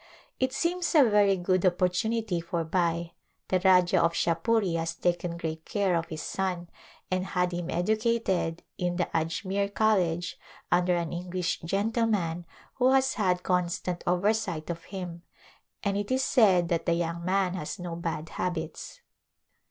It seems a very good opportunity for Bai. The Rajah of Shahpuri has taken great care of his son, and had him educated in the Ajmere College under an English gentleman who has had constant oversight of him, and it is said that the young man has no bad habits.